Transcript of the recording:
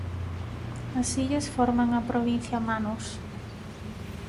As illas forman a provincia Manus.